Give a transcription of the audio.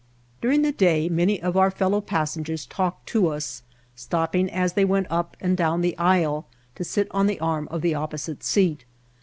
During the day many of our fellow passengers talked to us, stopping as they went up and down the aisle to sit on the arm of the opposite seat.